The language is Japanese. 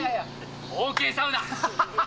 ＯＫサウナ。